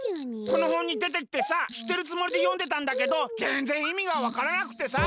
このほんにでてきてさしってるつもりでよんでたんだけどぜんぜん意味がわからなくてさ。